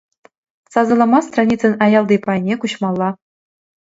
Сасӑлама страницӑн аялти пайне куҫмалла.